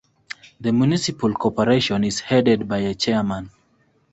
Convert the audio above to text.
The Municipal Corporation is headed by a chairman.